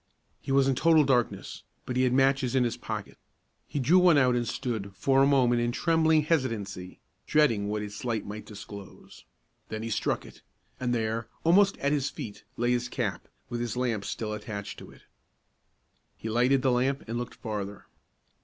He was in total darkness, but he had matches in his pocket. He drew one out and stood, for a moment, in trembling hesitancy, dreading what its light might disclose. Then he struck it, and there, almost at his feet, lay his cap, with his lamp still attached to it. He lighted the lamp and looked farther.